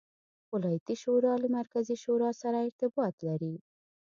ولایتي شورا له مرکزي شورا سره ارتباط ولري.